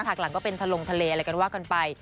หลังก็เป็นทะลงทะเลอะไรกันว่ากันไป